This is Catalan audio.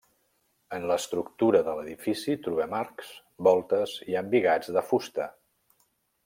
En l'estructura de l'edifici trobem arcs, voltes i embigats de fusta.